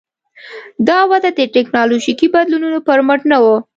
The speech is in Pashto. دا وده د ټکنالوژیکي بدلونونو پر مټ نه وه.